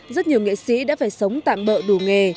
rất nhiều nghệ sĩ đã phải sống tạm bỡ đủ nghề